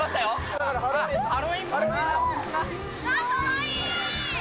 かわいい。